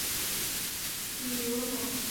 米罗蒙。